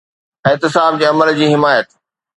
احتساب جي عمل جي حمايت.